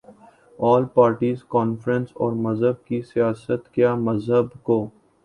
آل parties conference اور مذہب کی سیاست کیا مذہب کو